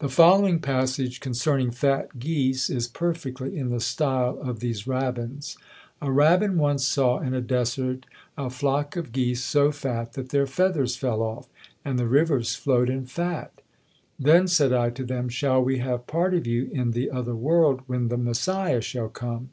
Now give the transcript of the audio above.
The following passage, concerning fat geese, is perfectly in the style of these rabbins: "A rabbin once saw in a desert a flock of geese so fat that their feathers fell off, and the rivers flowed in fat. Then said I to them, shall we have part of you in the other world when the Messiah shall come?